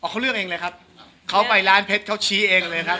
เขาเลือกเองเลยครับเขาไปร้านเพชรเขาชี้เองเลยครับ